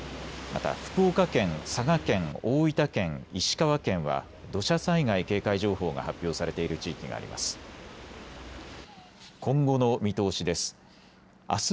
また福岡県、佐賀県、大分県、石川県は土砂災害警戒情報が発表されている地域があります。